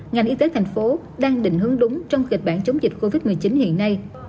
ngành y tế thành phố đang định hướng đúng trong kịch bản chống dịch covid một mươi chín hiện nay